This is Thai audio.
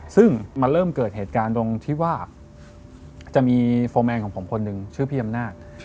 ซึ่งมันเริ่มเกิดเหตุการณ์ตรงที่ว่าจะมีโฟร์แมนของผมคนหนึ่งชื่อพี่อำนาจ